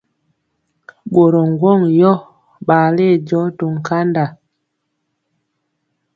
Ɓorɔ ŋgwɔŋ yɔ ɓale jɔɔ to nkanda.